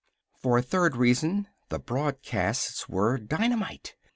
For a third reason, the broadcasts were dynamite.